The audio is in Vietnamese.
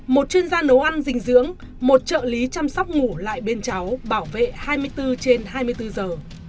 một chuyên gia nấu ăn dinh dưỡng một trợ lý chăm sóc ngủ lại bên cháu bảo vệ hai mươi bốn trên hai mươi bốn giờ